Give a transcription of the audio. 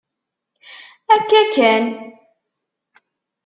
Akka kan!